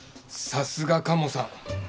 さすがカモさん。